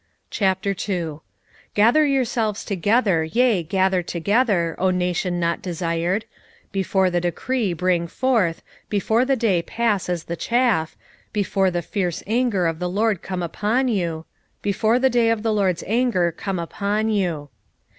2:1 Gather yourselves together, yea, gather together, O nation not desired; 2:2 Before the decree bring forth, before the day pass as the chaff, before the fierce anger of the LORD come upon you, before the day of the LORD's anger come upon you.